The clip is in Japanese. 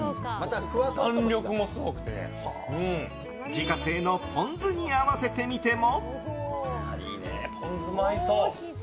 自家製のポン酢に合わせてみても。